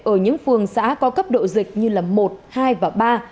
ở những phường xã có cấp độ dịch như một hai và ba